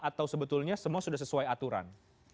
atau sebetulnya semua sudah sesuai aturan